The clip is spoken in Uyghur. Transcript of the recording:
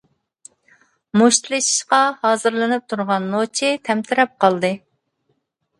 مۇشتلىشىشقا ھازىرلىنىپ تۇرغان نوچى تەمتىرەپ قالدى.